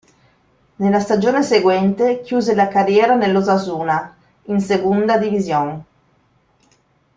Nella stagione seguente chiuse la carriera nell'Osasuna, in Segunda División.